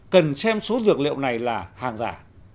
cần xem số dược liệu này là hàng giả